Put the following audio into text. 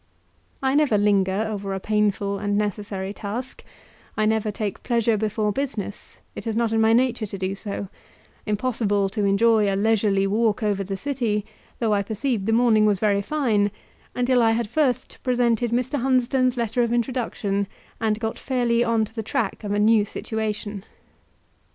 I never linger over a painful and necessary task; I never take pleasure before business, it is not in my nature to do so; impossible to enjoy a leisurely walk over the city, though I perceived the morning was very fine, until I had first presented Mr. Hunsden's letter of introduction, and got fairly on to the track of a new situation.